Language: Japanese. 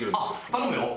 頼むよ！